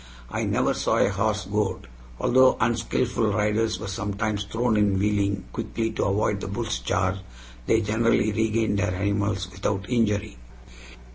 I never saw a horse gored; although unskillful riders were sometimes thrown in wheeling quickly to avoid the bull's charge, they generally regained their animals without injury.